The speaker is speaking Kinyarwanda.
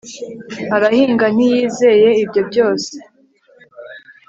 arahinga ntiyizeye ibyo byose